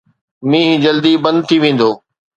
مينهن جلدي بند ٿي ويندو.